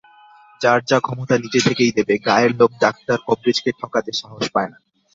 যার যা ক্ষমতা নিজে থেকেই দেবে, গায়ের লোক ডাক্তারকবরেজকে ঠকাতে সাহস পায় না।